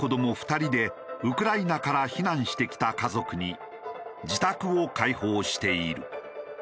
２人でウクライナから避難してきた家族に自宅を開放している。